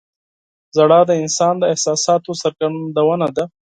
• ژړا د انسان د احساساتو څرګندونه ده.